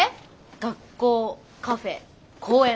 学校カフェ公園。